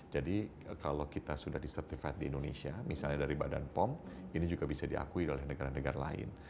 jadi kalau kita sudah disertifat di indonesia misalnya dari badan pom ini juga bisa diakui oleh negara negara lain